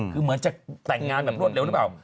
คือเหมือนจะแต่งงานแบบรวดเร็วหรือเปล่า